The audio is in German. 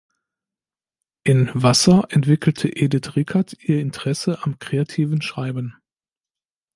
In Vassar entwickelte Edith Rickert ihr Interesse am kreativen Schreiben.